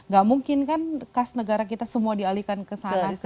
gak mungkin kan kas negara kita semua dialihkan kesana